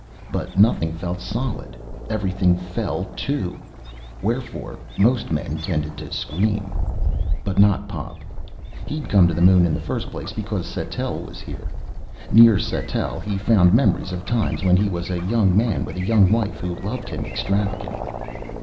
But nothing felt solid. Everything fell, too. Wherefore most men tended to scream. But not Pop. He'd come to the Moon in the first place because Sattell was here. Near Sattell, he found memories of times when he was a young man with a young wife who loved him extravagantly.